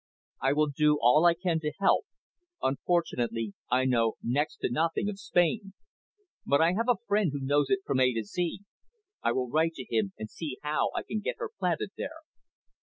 "I will do all I can to help. Unfortunately, I know next to nothing of Spain. But I have a friend who knows it from A to Z. I will write to him and see how I can get her planted there."